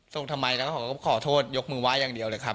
ทำไมแล้วก็ขอโทษยกมือไห้อย่างเดียวเลยครับ